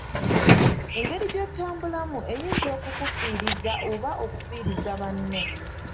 Engeri gy'otambulamu eyinza okukufiiriza oba okufiiriza banno.